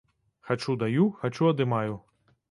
Хачу даю, хачу адымаю.